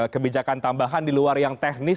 kebijakan tambahan di luar yang teknis